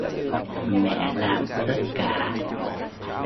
Mẹ làm tất cả